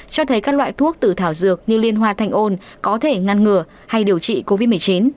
cho thấy các loại thuốc từ thảo dược như liên hoa thanh ôn có thể ngăn ngừa hay điều trị covid một mươi chín